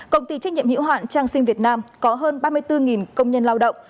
công ty trách nhiệm hiệu hoạn trang sinh việt nam có hơn ba mươi bốn công nhân lao động